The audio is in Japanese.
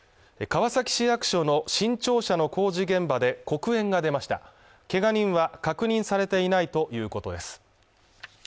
川崎市役所の新庁舎の工事現場で黒煙が出ましたけが人は確認されていないということです